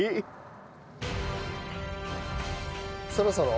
そろそろ？